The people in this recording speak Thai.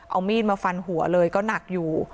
เอามีดมาฟันหัวเลยก็หนักอยู่